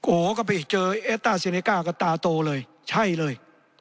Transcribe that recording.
โอ้โหก็ไปเจอเอสต้าเซเนก้าก็ตาโตเลยใช่เลย